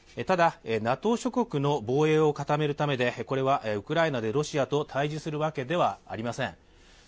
ただ、ＮＡＴＯ諸国の防衛を固めるためでこれはウクライナでロシアと対峙するわけではありません。